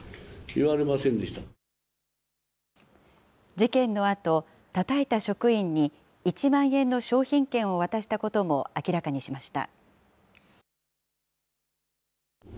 事件のあと、たたいた職員に１万円の商品券を渡したことも明らかにしました。